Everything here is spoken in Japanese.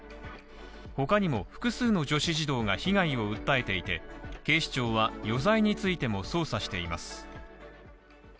他にも複数の女子児童が被害を訴えていて警視庁は余罪についても捜査しています。